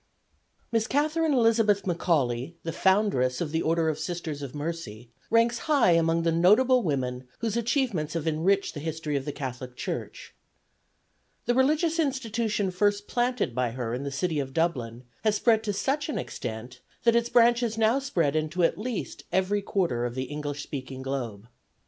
Miss Catherine Elizabeth McAuley, the foundress of the Order of Sisters of Mercy, ranks high among the notable women whose achievements have enriched the history of the Catholic Church. The religious institution first planted by her in the city of Dublin has spread to such an extent that its branches now spread into at least every quarter of the English speaking globe.